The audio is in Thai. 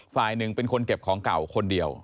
ฝ่ายหนึ่งเป็นคนเก็บของเก่าคนเดียว